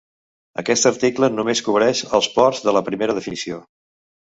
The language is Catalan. Aquest article només cobreix els ports de la primera definició.